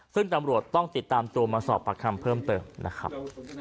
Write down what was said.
ซึ่งตำรวจต้องติดตามตัวมาสอบปากคำเพิ่มเติมนะครับ